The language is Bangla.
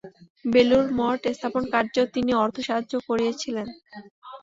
বেলুড়ে মঠস্থাপনকার্যেও তিনি অর্থসাহায্য করিয়াছিলেন।